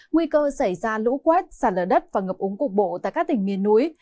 nguy cơ xảy ra lũ quét xả lở đất và ngập úng cục bộ tại các tỉnh miền núi